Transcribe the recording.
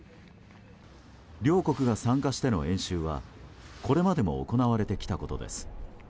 両国が参加しての演習はこれまでも行われてきたことです。